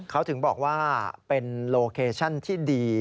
เขาถึงบอกว่าเป็นโลเคชั่นที่ดี